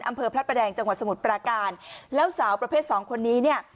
อำเภอพระประแดงจังหวัดสมุทรปราการแล้วสาวประเภทสองคนนี้เนี่ย